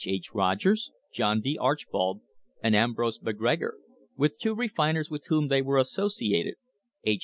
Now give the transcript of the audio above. H. Rogers, John D. Archbold and Ambrose McGregor with two refiners with whom they were associ ated H.